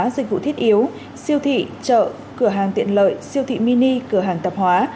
dịch vụ thiết yếu siêu thị chợ cửa hàng tiện lợi siêu thị mini cửa hàng tạp hóa